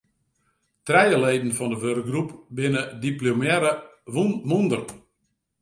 Trije leden fan de wurkgroep binne diplomearre mûnder.